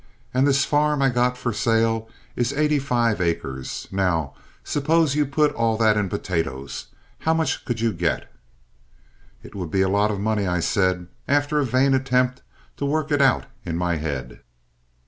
"And this farm I got for sale is eighty five acres. Now, suppose you put all that in potatoes. How much could you get?" "It would be a lot of money," I said, after a vain attempt to work it out in my head.